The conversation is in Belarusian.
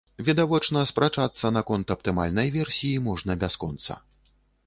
Відавочна, спрачацца наконт аптымальнай версіі можна бясконца.